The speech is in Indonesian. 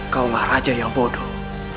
kau adalah raja yang bodoh